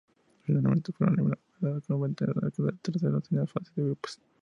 Finalmente fueron eliminados de la competencia al quedar terceros en la fase de grupos.